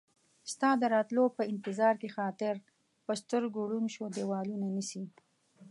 ستا د راتلو په انتظار کې خاطر ، په سترګو ړوند شو ديوالونه نيسي